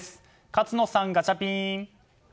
勝野さん、ガチャピン！